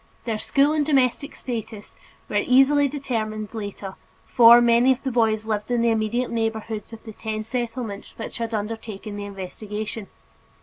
Their school and domestic status was easily determined later, for many of the boys lived in the immediate neighborhoods of the ten Settlements which had undertaken the investigation.